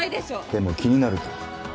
でも気になると。